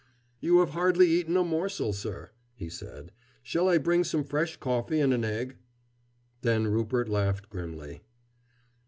"You have hardly eaten a morsel, sir," he said. "Shall I bring some fresh coffee and an egg?" Then Rupert laughed grimly.